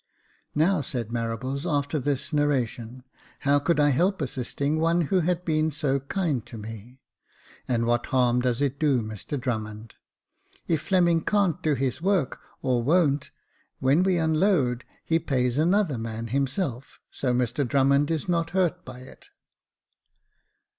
Now," said Marables, after this narration, *' how could I help assisting one who has been so kind to me ? And what harm does it do Mr Drummond ? If Fleming can't do his work, or won't, when we unload, he pays another man himself ; so Mr Drummond is not hurt by it."